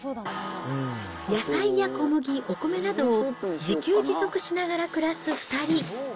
野菜や小麦、お米などを自給自足しながら暮らす２人。